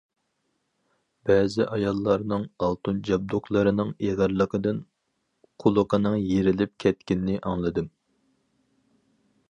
بەزى ئاياللارنىڭ ئالتۇن جابدۇقلىرىنىڭ ئېغىرلىقىدىن قۇلىقىنىڭ يىرىلىپ كەتكىنىنى ئاڭلىدىم.